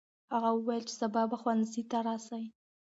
هغه وویل چې سبا به ښوونځي ته راسي.